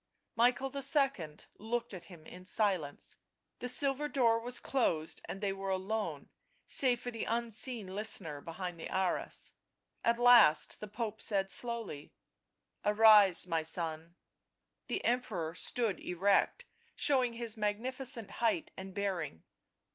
Michael II. looked at him in silence; the silver door was closed, and they were alone, save for the unseen listener behind the arras. At last the Pope said slowly :" Arise, my son." The Emperor stood erect, showing his magnificent height and bearing.